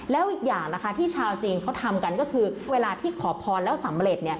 แล้วอีกอย่างนะคะที่ชาวจีนเขาทำกันก็คือเวลาที่ขอพรแล้วสำเร็จ